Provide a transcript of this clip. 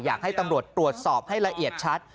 อยากให้ตำรวจตรวจสอบให้ละเอียดชัด